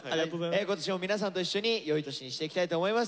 今年も皆さんと一緒によい年にしていきたいと思います。